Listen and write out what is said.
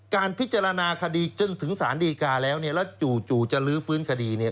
การพิจารณาคดีจนถึงสารดีกาแล้วเนี่ยแล้วจู่จะลื้อฟื้นคดีเนี่ย